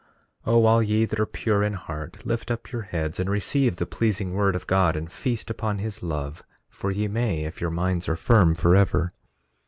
3:2 O all ye that are pure in heart, lift up your heads and receive the pleasing word of God, and feast upon his love; for ye may, if your minds are firm, forever.